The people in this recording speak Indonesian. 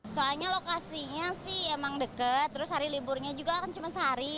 soalnya lokasinya sih emang deket terus hari liburnya juga kan cuma sehari